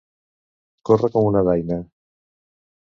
Córrer com una daina.